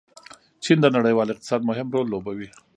چین د نړیوال اقتصاد مهم رول لوبوي.